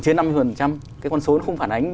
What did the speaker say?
trên năm mươi cái con số nó không phản ánh